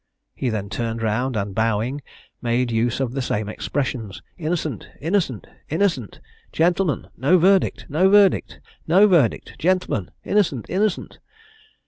He then turned round, and, bowing, made use of the same expressions, "Innocent, innocent, innocent! Gentlemen! No verdict! No verdict! No verdict! Gentlemen. Innocent! innocent!"